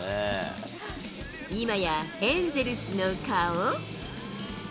今や、エンゼルスの顔。